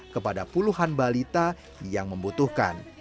kepada puluhan balita yang membutuhkan